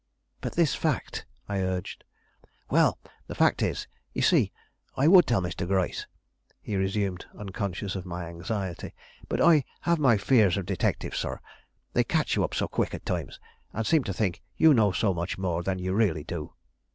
"But this fact?" I urged. "Well, the fact is this. You see I would tell Mr. Gryce," he resumed, unconscious of my anxiety, "but I have my fears of detectives, sir; they catch you up so quick at times, and seem to think you know so much more than you really do."